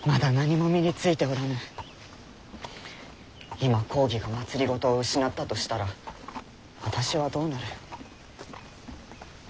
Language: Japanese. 今公儀が政を失ったとしたら私はどうなる？